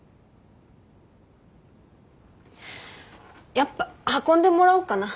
やっぱ運んでもらおうかな。